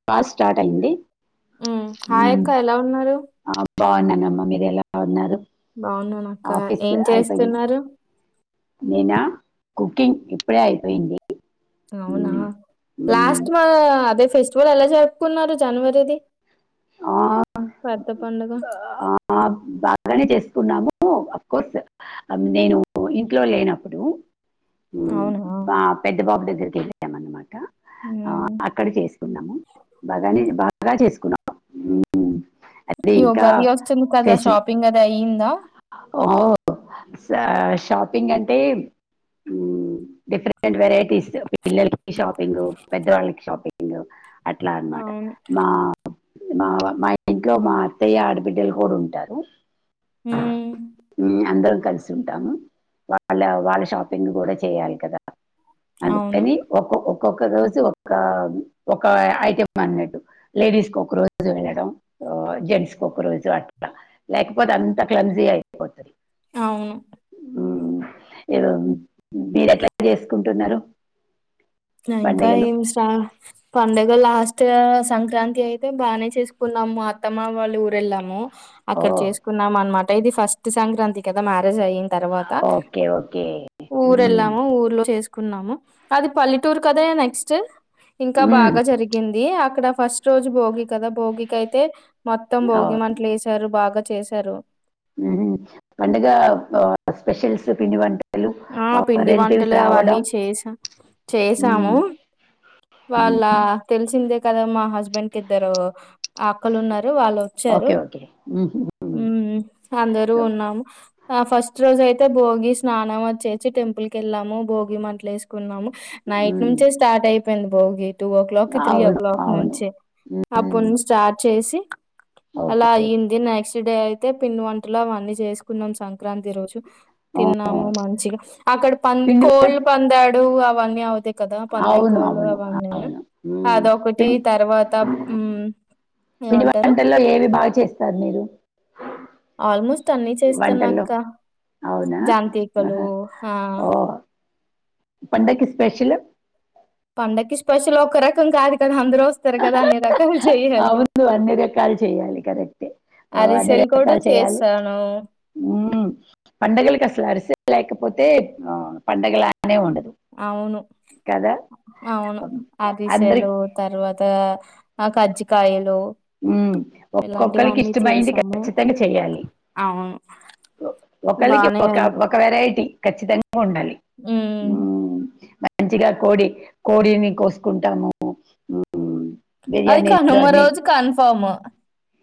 Class start అయింది ఉమ్ hi మ్మ్. అక్క ఎలా ఉన్నారు ఆ బాగున్నానమ్మ మీర్ ఎలా ఉన్నారు బాగున్నానక్క ఆఫీస్ ఏం అయిపోయింది చేస్తున్నారు నేనా కుకింగ్ ఇప్పుడే అయిపోయింది ఉమ్ అవునా మ్మ్. మ్మ్. లాస్ట్ మా అదే ఫెస్ వల్ ఎలా జరుపుకున్నారు జనవరిది ఆ పెద్ద పండుగ. ఆహ్ బాగానే చేసుకున్నాము ము అఫ్కోర్స్ నేను ఇంట్లో లేనప్పుడు ఉమ్ అవునా! మా పెద్ద బాబు దెగ్గరికి వెళ్లిపోయానానమాట ఆ హ్మ్. అక్కడ చేసుకున్నాము బాగనే బాగా చేసుకున్నాం ఉమ్ అది ఇంకా మీ హౌస్ సెమి కదా షాపింగ్ అది అయ్యిందా అహో ష షాపింగ్ అంటే డిఫరెంట్ వెరైటీస్ పిల్లలకి షాపింగ్గ్ పెద్దవాళ్ళకి షాపింగ్గ్ అట్లా అనమట అవును. మా మా మా ఇంట్లో మా అత్తయ్య ఆడబిడ్డలు కూడ ఉంటారు. హ్మ్. మ్మ్ అందర్ కలిసి ఉంటామ వాళ్ళా వాళ్ళ షాపింగ్ గుడా చేయాలి కదా అవును. అందుకని ఒక్కొక్క ఒక రోజు ఒకా ఒక ఐటెమన్నట్టు లేడీస్ కొక్క రోజు వెళ్ళడం ఓ జెంట్స్కి ఒక రోజు అట్లా లేకపోతే అంత క్లంజీ అయిపోతది అవును మిరూ మీరు ఎట్లా చేసుకుంటున్నరు. ఇంకా ఏం స్ట పండగ లాస్ట్ మత్త సంక్రాంతి అయితే బానే చేసుకున్నాము. మా అత్తమ్మ వాళ్ళ ఊరెళ్ళాము. అక్కడ ఓ చేసుకున్నాం అనమాట ఇది ఫస్ట్ సంక్రాంతి కదా మ మ్యారేజ్ అయిన తరువాత ఓకే ఓకే మ్మ్. ఊరెళ్ళాము ఊర్లో చేస్ అనుకున్నాము అది పల్లెటూరు కదా నెక్స్ట్ ఇంకా మ్మ్. బాగా జరిగింది అక్కడ ఫస్ట్ రోజు భోగి కదా భోగికి అయితే మొత్తం ఆ, భోగి మంటలేసారు. బాగా చేశారు. ఉహ్ పండగా స్పెషల్స్ పిండి వంట ఆ పిండి వంటలు అవన్నీ చేసా మ్మ్. చేసాము. మ్మ్. వాళ్ళా తెలిసిందే కదా మా హస్బెండ్ కిద్దరు ఆక్కలు ఉన్నారు. వాళ్ళొచ్చారు ఓకే ఓకే మ్మ్. మ్మ్. ఉమ్ అందరూ ఉన్నాము ఆ ఫస్ట్ రోజయితే అయితే భోగి స్నానం చెచ్చి టెంపుల్ కెళ్ళాము. భోగి మంటలేస్కున్నాము. నైట్ నుంచే స్టార్ట్ అయిపోయింది భోగి టూ ఓ క్లాకి త్రీ ఓ అవును క్లాక్ అవును నుంచి మ్మ్. అప్పునుంచి స్టార్ట్ చేసి అలా ఓకే అయింది నెక్స్ట్ డే అయితే పిండివొంటలు అవన్నీ చేసుకున్నాం సంక్రాంతి రోజు ఆ, తిన్నాము మంచిగా అక్కడ పం పిండి వం- కోళ్పందాడు అవన్నీ అవుతాయి. కదా పందెం అవును కోళ్ళు అవును అవన్నీ అవును మ్మ్. అదొకటి పిం- తర్వాత ఉమ్ పిండి వంటల్లో ఏవి బాగ చేస్తారు మీరు ఆల్మోస్ట్ అన్ని వంటల్లో చేస్తాన్నాక్క అవునా జాంతికలు హా పండకి స్పెష్యలు పండకి స్పెషల్ ఒక్క రకం కాదు కదా అందరొస్తారు. కదా అన్ని రకాలు చెయ్యాలి కదా అవును అన్ని రకాలు చేయాలి. కరెక్టే ఉ అన్ని అరిసెలు కూడా రకాలు చేయాలి. చేశాను ఉమ్ పండగలకు అసలు అరిస్లేకపోతే పండగలానే ఉండదు. అవును కదా అవును ఉమ్, అరిసెలు అందరికి తర్వాత ఆ కజ్జికాయలు ఉమ్ ఒక్కొక్కలకి ఇలాంటివన్నీ ఇష్టమయింది చేసాము. ఖచ్చితంగా చెయ్యాలి. అవును. ఒకళ్ళకి బానే ఒక అయి ఒకవెరై వెరైటి ఖచ్చితంగా ఉండాలి. హ్మ్. మంచిగా కోడి కోడిని కోసుకుంటాము. ఉమ్, అది బిర్యానీలు కనుమ అన్ని రోజు కన్ కఫమ్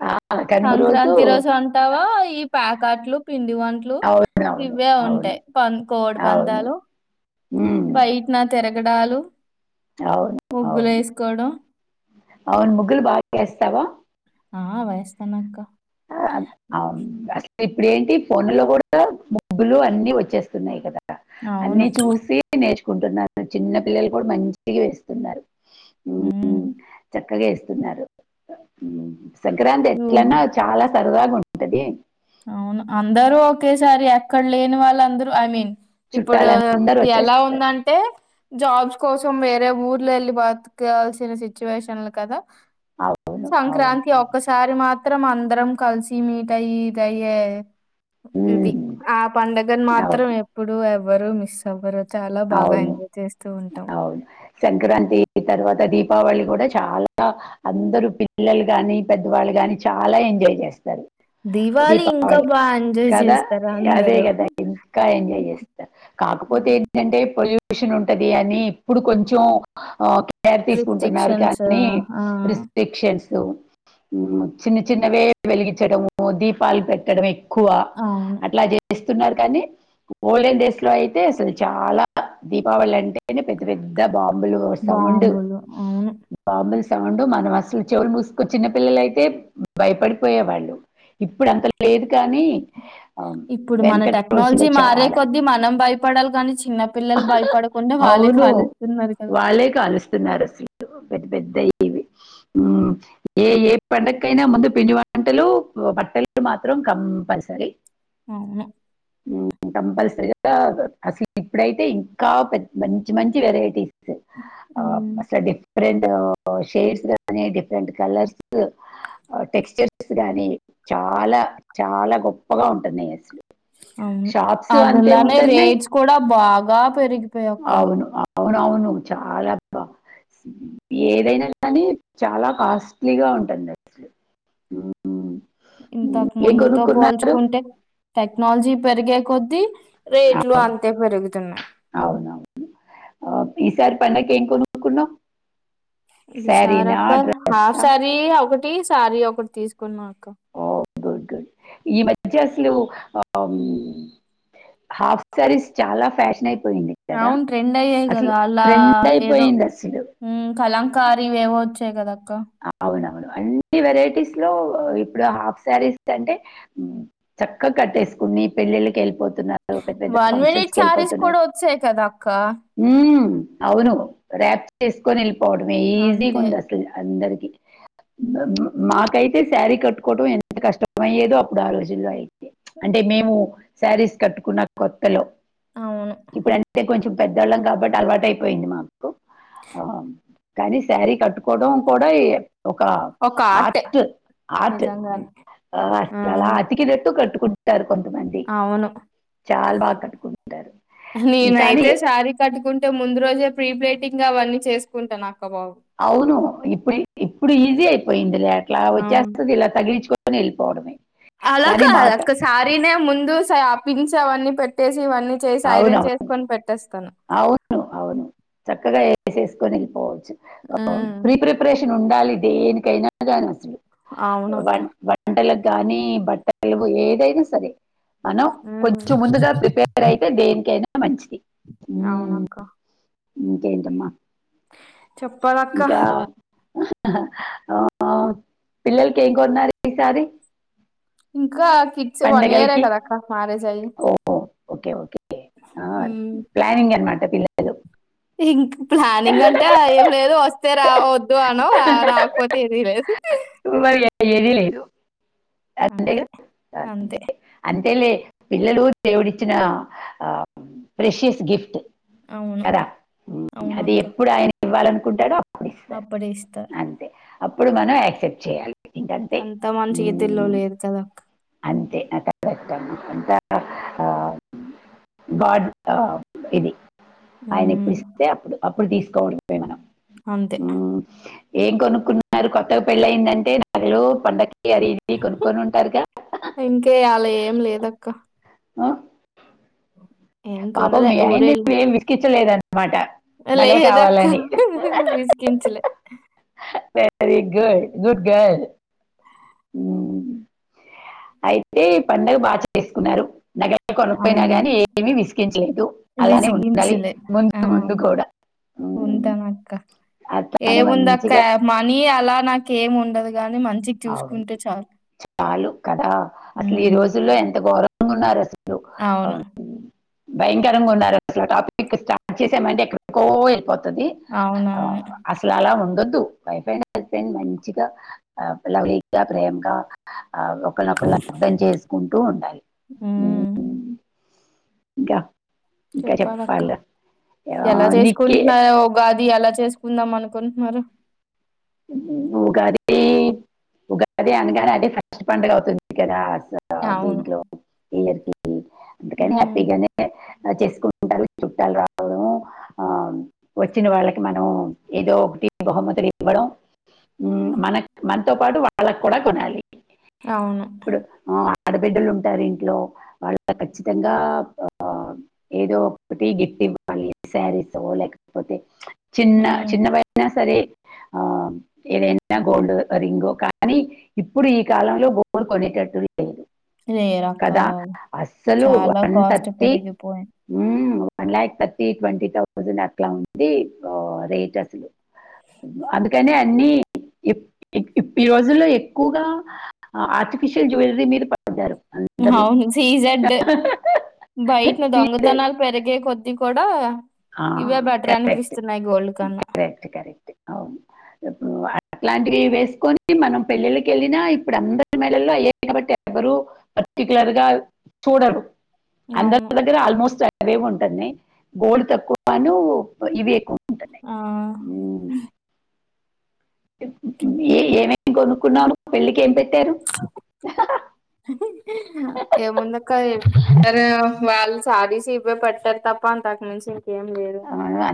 ఆ, కనుమ సంక్రాంతి రోజు అంటావా ఈ ప్యాకట్లు పిండి వంటలు అవును అవును ఇవే అవును ఉంటాయి. పం అవును కోడిపందాలు ఉమ్, బయట్న తిరగడాలు, అవును ముగ్గులు అవును వేసుకోవడం. అవును ముగ్గులు బాగా ఎస్తావ్ ఆ వేస్తనక్క ఆహ్ అవును ఇప్పుడేంటి ఫోనులో కూడా ముగ్గులు అన్ని వచ్చేస్తున్నాయి కదా. అవును. అన్ని చూసి నేర్చుకుంటున్నారు. చిన్న పిల్లలు కూడా మంచిగా వేస్తున్నారు. హ్మ్. ఉహ్ చక్కగా ఏస్తున్నారు ఉహ్ సంక్రాంతి యు ఎట్లన్నా చాలా సరదాగా ఉంటది. అవును అందరూ ఒకేసారి ఎక్కడ్లెని వాళ్ళందరూ ఐ మీన్ ఇప్పుడూ చుట్టాలందరూ ఎలా వచ్చేస్తారు ఉందంటే జాబ్స్ కోసం వేరే ఊర్లెళ్ళి బతికాల్సిన సిచ్యువేషన్లు కదా. అవును అవును సంక్రాంతి అవును ఒక్కసారి మాత్రం అందరం కలిసి మీట్ అయి గయ్యే ఇది ఉమ్, ఆ పండుగను మాత్రం అవును ఎప్పుడు ఎవరు మిస్ ఎవర్రు అవును అవును సంక్రాంతి తర్వాత దీపావళి కూడా చాలా అందరు పిల్లలు కాని, పెద్దవాళ్ళు గాని, చాలా ఎంజాయ్ చేస్తారు. దీవాళి ఇంకా దీపావళి బా ఎంజాయ్ కదా చేస్తారు అదే అందరూ. కదా ఇంకా ఎంజాయ్ హ్మ్. చేస్తా కాకపోతే హ్మ్. ఏంటంటే పొల్యూషన్ ఉంటది అని ఇప్పుడు కొంచెం ఆ కేర్ తీసుకుంటున్నారు రిస్ట్రిక్షన్స్ కానీ ఆ! రిస్ట్రిక్షన్స్ అవు చిన్న చిన్నవే వెలిగించడము దీపాలు పెట్టడమే ఏక్కువ అవును. అట్లా చేస్తున్నారు కానీ ఓల్డెన్ డేస్ లో అయితే అసలు చాలా దీపావళి అంటేనే పెద్ద పెద్ద బాంబులు సౌండ్ బాంబులు. అవును. బాబుల్స్ సౌండ్ మనం అసలు చెవులు మూసుకొ చిన్న పిల్లలైతే భయపడిపోయేవాళ్ళు. ఇప్పుడు అంత లేదు కానీ ఆహ్, ఇప్పుడు మన వెనకటి రోజుల్లో టెక్నాలజీ మారే చాలా. కొద్దీ మనం భయపడాలి కాని చి అవును కాలుస్తున్నారు కదా! వాళ్ళే కాలుస్తున్నారు అసలు పెద్ద పెద్ద దైవి ఉమ్ ఏ ఏ పండకైనా ముందు పిండి వంటలు బట్టలు మాత్రం కం పల్సరి అవును. ఉమ్ కంపల్సరిగా ఇప్పుడైతే ఇంకా పెద మంచి మంచి వెరైటీస్ హ్మ్. అసలు డిఫ డిఫరెంట్ షేడ్స్ కానీ డిఫరెంట్ కలర్స్ టెక్స్చర్స్ గాని చాలా చాలా గొప్పగా ఉంటున్నాయి. అసలు అవును షాప్స్ అంతే అందులానే ఉంటున్నాయి రేట్స్ కూడా బాగా పెరిగిపోయా అక్క. అవునవును చాలా అబ్బా ఏదైనా కానీ చాలా కాస్ట్లీగా ఉంటుంది అసలు ఉంహు ఇంతకు ముందుతో పోల్చుకుంటే టెక్నాలజీ పెరిగే కొద్దీ రేట్లు అంతే పెరుగుతున్నాయి అవునవును ఈసారి పండగ కి ఏం కొనుకున్నావు ఈ సార్ అక్క హాఫ్ సారీ ఒకటి సారీ ఒకటి తీసుకున్నా అక్క. ఓ గుడ్ గుడ్ ఈ మధ్య అసలు ఆ హాఫ్ సారీస్ చాలా ఫాషన్ అయి అవును ట్రెండ్ అయ్యియి కదా అలా ట్రెండ్ ఏదో అయిపోయింది అసలు ఉమ్ కలం కారి వేవో వచ్చాయి కదా అవునవును అన్ని వెరైటీస్ లో ఇప్పుడు హాఫ్ సారీస్ కి అంటే చక్కగా కట్టేసుకున్ నీ పెళ్లిళ్లకి వెళ్లిపో పెద్ద పెద్ద వన్ ఫంక్షన్స్ మినిట్ సారీస్ కూడా వెళ్ళిపోతున్నారు వచ్చాయి కదా అక్క ఉమ్మ్ అవును ర్యాప్ చేసుకొని వెళ్ళిపోవడమే ఈజీగా అంతే ఉంది అసలు అందరికి. మాకైతే సారీ కట్టుకోవటం ఎంత కష్టమయ్యేదో అప్పుడు ఆ రోజుల్లో అయితే అంటే మేము సారీస్ కట్టుకున్న కొత్తలో అవును ఇప్పుడు అంటే కొంచెం పెద్దోళ్ళం కాబట్టి అలవాట అయిపోయింది. మాకు కానీ సారీ కట్టుకోవడం కూడా ఏ ఒక ఒక ఆర్టే ఆర్ట్ ఆర్ట్ నిజంగానే ఆ, అలా అతికి నెట్టు కట్టు కొంతమంది చాలా బాగా కట్టుకుంటారు కానీ నేనయితే సారీ కట్టుకుంటే ముందు రోజే ప్రీ ప్లేటింగ్ అవన్నీ చేసుకుంటానా అవును ఇప్పుడు ఇప్పుడు ఈజీ అయిపోయింది లే అట్లా వచ్చేస్తది ఇలా తగిలిచుక వెళ్లిపోవడమే అలాకాదక్క సారీనే ముందు పిన్స్ అవన్నీ పెట్టేసు ఇవన్నీ చేసి అవును ఐరన్ అవును చేసుకోని పెట్టేస్తాను కొనిగిపోవచ్చు ఉమ్, ప్రీ ప్రిపరేషన్ ఉండాలి దేనికైనా గానీ అసలు అవునక్క వన్ వంటలకు గాని బట్టలుగు ఏదైనా సరే మనం ఉమ్, కొంచెం ముందుగా ప్రిపేర్ అయితే దేనికైనా మంచిది అవునక్క ఇంకేంటమ్మ చెప్పాలక్క ఆ పిల్లలకేం కొన్నారు ఈసారి ఇంకా కిడ్స్ వన్ ఇయర్ ఏ పండగలకి కదా అక్క మ్యారేజ్ అయ్యి ఓ ఓకే ఓకే ఉమ్. ప్లానింగ్ అన్మాట పిల్లలు ఇంక ప్లానింగ్ అంటే ఏం లేదు వస్తే రా వద్దు అన రాకపోతే ఏం లేదు మరి ఏది లేదు అంతే అంతే పెళ్ళి పిల్లలు దేవుడిచ్చిన ప్రెషియస్ గిఫ్ట్ అవును. కదా అది అవునక్క. ఎప్పుడు ఆయన ఇవ్వాలనుకుంటాడో అప్పుడు ఇస్తారు అప్పుడే ఇస్తారు అంతే అప్పుడు మన యాక్సెప్ట్ చేయాలి ఇంకంతే అంత మన చేతుల్లో ఉమ్, లేదు కదా అక్క అంతే నా కాలట్టము అంత ఆ గాడ్ తా ఇది ఆయన హ్మ్. ఎప్పుడుస్తే అప్పుడు అప్పుడు తీసుకోవడే మనం అంతే ఉమ్, ఏం కొనుక్కున్నారు కొత్తగా పెళ్ళ అయిందంటే నగలు పండకీ అవి ఇవి కొనుక్కొని ఉంటారు ఇంకే అలా ఏం లేదక్క ఆ ఏం పాపం కొనలే మీ ఆయన్ని ఊరెళ్ ఏమి విస్కించలేదన్న మాట నగలు లేదక్క కావాలని విసిగించలే. వెరీ గుడ్ గుడ్ గర్ల్ అయితే ఈ పండగ బాగా చేసుకున్నారు నగ లు కొనుపోయినా అవును. గాని ఏమి విసిగించలేదు అలానే ఉండాలి ముందు ముందు కూడా ఉమ్, ఉంటామక్క అట్లానే ఏముంది అక్క మంచిగా మనీ అలా నాకే ఏముండదు అవును చాలు కదా అస్లు ఈ హ్మ్. రోజుల్లో ఎంత ఘోరంగా ఉన్నారు అస్లు అవును భయంకరంగా ఉన్నారు అస్లు టాపిక్ స్టార్ట్ చేసామంటే ఎక్కడికో వెళ్ళిపో తది అవునవును. అస్లు అలా ఉండొద్దు వైఫ్ అండ్ హస్బెండ్ మంచిగా ఆప్యాయంగా ప్రేమగా ఆ ఒకరినొకళ్ళు అర్థం చేసుకుంటూ ఉండాలి హ్మ్. ఇంకా ఇంకా చెప్పాలక్క చెప్పాలి ఆ, ఎలా నీకే చేసుకుంటున్నావు ఉగా ది అలా చేసుకుందాం అనుకుంటున్నారు ఉగాదీ ఉగాది అనగానే అదే ఫస్ట్ పండగ అవుతుంది కదా అవును. దింట్లో ఇయర్ కి అందుకని హ్మ్. హ్యాపీగానే చేసుకుంటారు చుట్టాలు రావడం ఆ వచ్చిన వాళ్ళకి మనం ఏదో ఒకటి బహుమతు ఇవ్వడం మన మనతో పాటు వాళ్ళ కూడా కొనాలి అవును. ఇప్పుడు ఆడబిడ్డలు ఉంటారు ఇంట్లో వాళ్ళకు ఖచ్చితంగా ఆ ఏదో ఒకటి గట్ ఇవ్వాలి శారీసో లేకపోతే చిన్న హ్మ్. చిన్నవైనా సరే ఆ ఏదైనా గోల్డ్ రింగ్ కానీ ఇప్పుడు ఈ కాలంలో గోల్డ్ కొనేటట్టు లేరక్క కదా బాబు. అస్సలు చాలా వన్ కాస్ట్ థర్టీ పెరిగిపోయింది. One lakh thirty twenty thousand అట్లా ఉంది రేట్ అసలు అందుకని అన్ని ఇప్ ఇప్ ఈ రోజుల్లో ఎక్కువగా అ ఆర్టిఫిషియల్ జ్యువెలరీ మీద పడ్డారు మ్ అందరూ అవును సీజడ్ బయట్ ను సీరియస్ దొంగతనాలు పెరిగే కొద్ది డ ఇవే బెటర్ కరెక్ట్ అనిపిస్తున్నాయి గోల్డ్ కన్నా కరెక్ట్ కరెక్ట్ అవును ఇప్పుడు అట్లాంటివి వేసుకొని మనం పెళ్ళిలకి ఎళ్ళినా ఇప్పుడు అందరు మెడలో అయ్యే కాబట్టి ఎవరు పర్టిక్యులర్ చూడరు అందరి అవును. దగ్గర ఆల్మోస్ట్ అవే ఉంటునై గోల్డ్ తక్కువను ఇవే ఎక్కు ఆ ఏ ఏమేం కొనుక్కున్నావు నువు పెళ్లికి ఏం పెట్టారు ఏముందక్క వ్యాల్స్ శారీస్ ఇవే పెట్టారు తప్ప అంతకు మించి ఇంకేం లేదు ఆ,